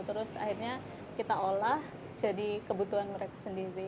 terus akhirnya kita olah jadi kebutuhan mereka sendiri